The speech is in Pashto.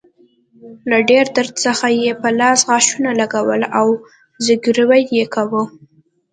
له ډیر درد څخه يې په لاس غاښونه لګول او زګیروی يې کاوه.